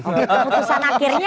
oke keputusan akhirnya